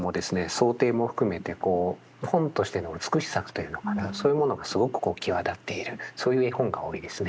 装丁も含めて本としての美しさというのかなそういうものがすごく際立っているそういう絵本が多いですね。